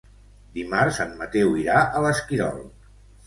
Dimarts en Mateu irà a l'Esquirol.